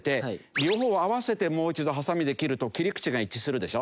両方を合わせてもう一度ハサミで切ると切り口が一致するでしょ。